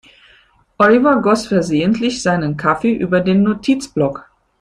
Oliver goss versehentlich seinen Kaffee über den Notizblock.